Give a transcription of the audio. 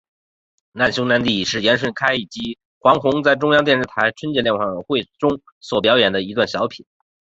难兄难弟是严顺开以及黄宏在中央电视台春节联欢晚会中所表演的一段小品。